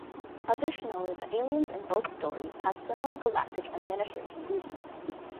Additionally, the aliens in both stories have similar galactic administration duties.